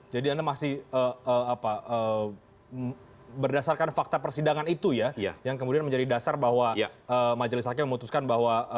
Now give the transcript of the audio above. jadi anda masih berdasarkan fakta persidangan itu ya yang kemudian menjadi dasar bahwa majelis hakim memutuskan bahwa